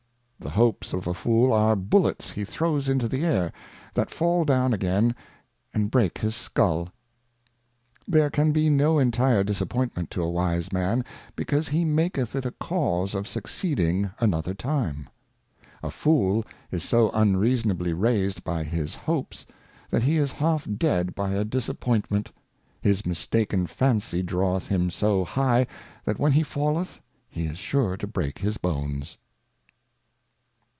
The Hopes of a Fool are Bullets he throws into the Air, that fall down again and break his Skull. There can be no entire Disappointment to a wise Man, be cause he maketh it a Cause of succeeding another time. A Fool is so unreasonably raised by his Hopes, that he is half dead by a Disappointment : his mistaken Fancy draweth him so high, that when he falleth, he is sure to break his Bones.